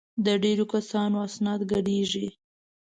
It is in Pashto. د ډېرو کسانو اسناد ګډېږي.